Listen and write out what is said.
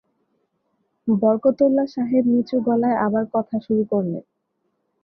বরকতউল্লাহ সাহেব নিচু গলায় আবার কথা শুরু করলেন।